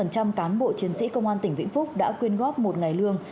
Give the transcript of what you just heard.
một trăm linh cán bộ chiến sĩ công an tỉnh vĩnh phúc đã quyên góp một ngày lương